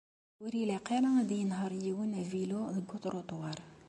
Ur ilaq ara ad yenher yiwen avilu deg utruṭwar.